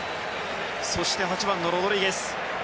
そして８番のロドリゲス。